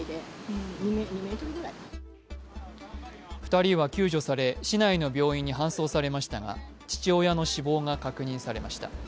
２人は救助され市内の病院に搬送されましたが父親の死亡が確認されました。